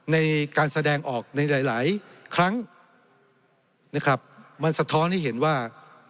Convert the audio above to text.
ในการแสดงออกในหลายครั้งนะครับมันสะท้อนให้เห็นว่า